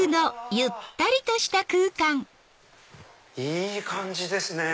いい感じですね！